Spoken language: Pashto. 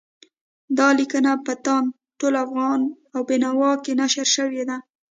دا لیکنه په تاند، ټول افغان او بېنوا کې نشر شوې ده.